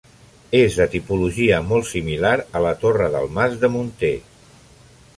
És de tipologia molt similar a la Torre del mas de Munter.